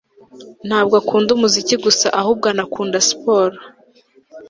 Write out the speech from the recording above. Ntabwo akunda umuziki gusa ahubwo anakunda siporo